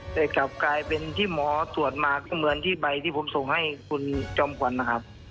แต่กลับกลายเป็นที่หมอตรวจมาก็เหมือนที่ใบที่ผมส่งให้คุณจอมขวัญนะครับ